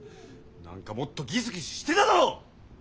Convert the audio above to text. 何かもっとギスギスしてただろ！